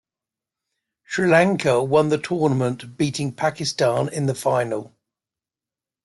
Sri Lanka won the tournament beating Pakistan in the final.